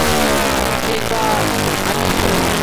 আমি ঠিক, বা আমিই ঠিক?